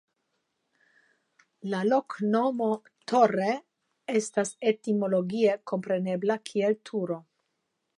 La loknomo "Torre" estas etimologie komprenebla kiel "Turo".